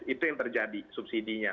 itu yang terjadi subsidinya